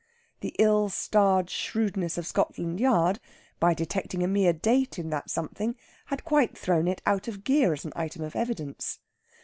The ill starred shrewdness of Scotland Yard, by detecting a mere date in that something, had quite thrown it out of gear as an item of evidence.